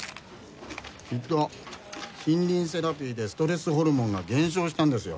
きっと森林セラピーでストレスホルモンが減少したんですよ。